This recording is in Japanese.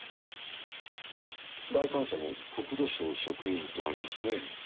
来館者に「国土省職員」とありますねぇ。